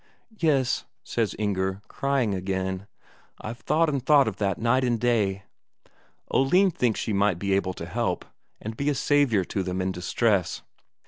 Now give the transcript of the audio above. "Yes," says Inger, crying again. "I've thought and thought of that night and day." Oline thinks she might be able to help, and be a saviour to them in distress.